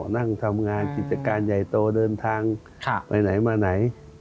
นั่งทำงานกิจการใหญ่โตเดินทางไปไหนมาไหน